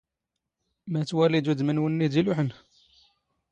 ⵎⴰ ⵜⵡⴰⵍⵉⴷ ⵓⴷⵎ ⵏ ⵡⵏⵏⵉ ⴷ ⵉⵍⵓⵃⵏ.